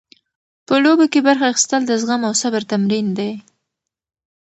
په لوبو کې برخه اخیستل د زغم او صبر تمرین دی.